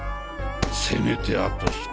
せめてあと１人。